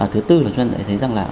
thứ tư là chúng ta đã thấy rằng là